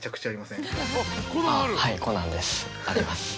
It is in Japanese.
あぁはい『コナン』ですあります。